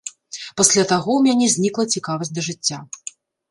Пасля таго ў мяне знікла цікавасць да жыцця.